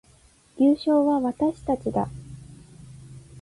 優勝は私たちだ